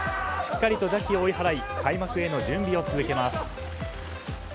しっかりと邪気を追い払い開幕への準備を続けます。